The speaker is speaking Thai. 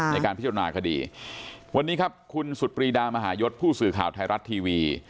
ในการพิจารณาคดีวันนี้ครับคุณสุดปรีดามหายศผู้สื่อข่าวไทยรัฐทีวี